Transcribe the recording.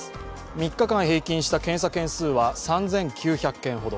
３日間平均した検査件数は３９００件ほど。